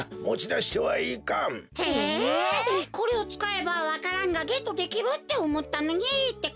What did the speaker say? これをつかえばわか蘭がゲットできるっておもったのにってか！